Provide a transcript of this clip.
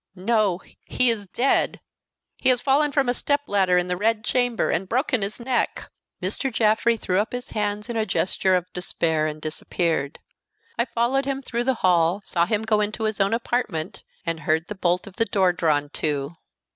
"No he is dead! He has fallen from a step ladder in the red chamber and broken his neck!" Mr. Jaffrey threw up his hands with a gesture of despair, and disappeared. I followed him through the hall, saw him go into his own apartment, and heard the bolt of the door drawn to.